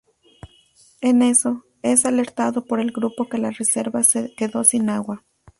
En eso, es alertado por el grupo que la reserva se quedó sin agua.